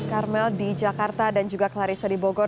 karmel di jakarta dan juga clarissa di bogor